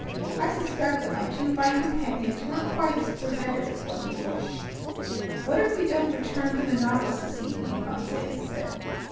I suspect that my two fine companions weren't quite as clearheaded as one could wish. "What if we don't return to the Nautilus this evening?" Conseil said.